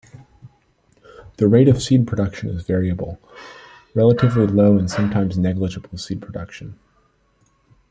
The rate of seed production is variable: relatively low and sometimes negligible seed production.